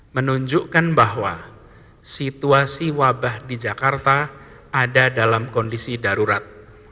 menunjukkan bahwa situasi wabah di jakarta ada dalam kondisi darurat